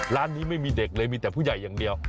ร้านนี้ไม่มีเด็กเลยมีแต่ผู้ใหญ่อย่างเดียว